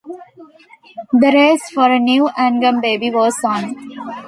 The race for a new Angam Baby was on.